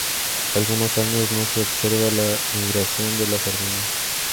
Algunos años no se observa la migración de la sardina.